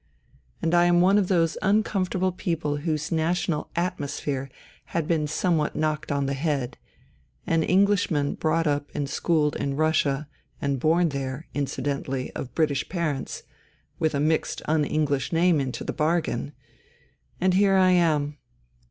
And I am one of those uncomfortable people whose national " atmosphere " had been somewhat knocked on the head — an Englishman brought up and schooled in Russia, and born there, incidentally, of British parents (with a mixed un English name into the bargain !), and here I am.